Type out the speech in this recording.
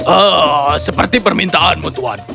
ehh seperti permintaanmu tuan